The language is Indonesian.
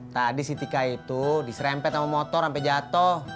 tadi si tika itu diserempet sama motor sampe jatoh